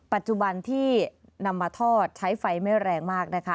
ปัจจุบันที่นำมาทอดใช้ไฟไม่แรงมากนะคะ